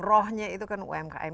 rohnya itu kan umkm